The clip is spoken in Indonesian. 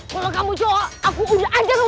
kalau kamu cowok aku udah ajar kamu berantem